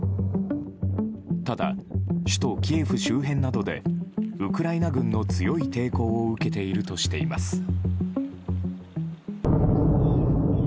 ただ、首都キエフ周辺などでウクライナ軍の強い抵抗を受けているとしています。